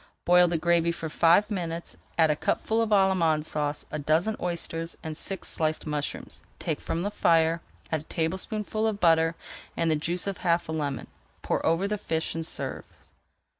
Boil the gravy for five minutes, [Page 390] add a cupful of Allemande Sauce, a dozen oysters, and six sliced mushrooms. Take from the fire, add a tablespoonful of butter and the juice of half a lemon, pour over the fish, and serve.